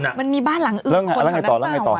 มันมีบ้านหลังอื่นคนของนักบ้านว่ะ